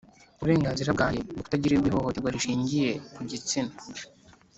uburenganzira bwanjye bwo kutagirirwa ihohoterwa rishingiye ku gitsina?